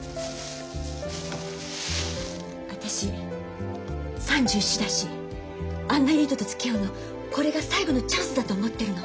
私３４だしあんなエリートとつきあうのこれが最後のチャンスだと思ってるの。